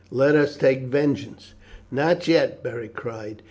Let us take vengeance!" "Not yet," Beric cried.